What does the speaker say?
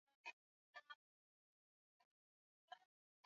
dotcom nitafurahi pia kama utatuma maoni